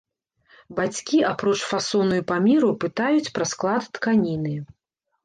Бацькі, апроч фасону і памеру, пытаюць пра склад тканіны.